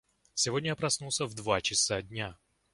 Сегодня я проснулся в два часа дня.